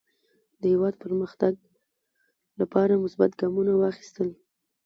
د هېواد پرمختګ لپاره مثبت ګامونه واخیستل.